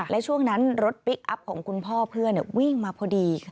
และช่วงนั้นรถพลิกอัพของคุณพ่อเพื่อนวิ่งมาพอดี